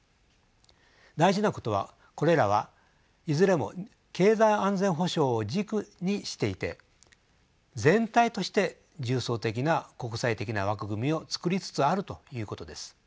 大事なことはこれらはいずれも経済安全保障を軸にしていて全体として重層的な国際的な枠組みをつくりつつあるということです。